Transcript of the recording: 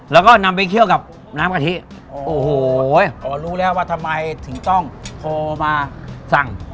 แล้วก็นำไปเคี่ยวกับน้ำกะทิโอ้โหอ๋อรู้แล้วว่าทำไมถึงต้องโทรมาสั่ง